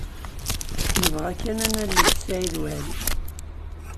Nebɣa kan ad nalel Saɛid Waɛli.